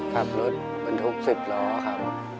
ขับรถบรรทุก๑๐ล้อครับ